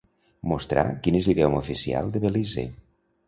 Mostrar quin és l'idioma oficial de Belize.